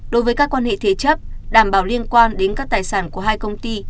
đối với các quan hệ thế chấp đảm bảo liên quan đến các tài sản của hai công ty